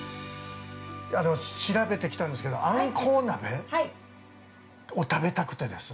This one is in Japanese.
◆調べてきたんですけどアンコウ鍋を食べたくてですね。